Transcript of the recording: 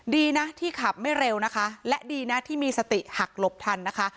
ดีนะที่ขับไม่เร็วนะคะและดีนะที่มีสติหักหลบทันนะคะ